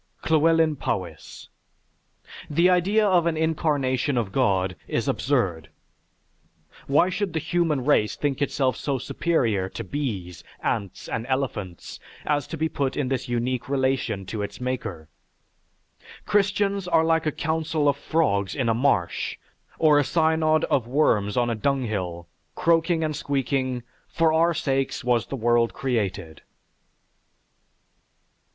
LLEWELYN POWYS The idea of an incarnation of God is absurd: why should the human race think itself so superior to bees, ants, and elephants as to be put in this unique relation to its maker? Christians are like a council of frogs in a marsh or a synod of worms on a dung hill croaking and squeaking, "For our sakes was the world created."